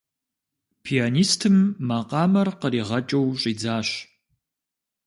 Пианистым макъамэр къригъэкӀыу щӀидзащ.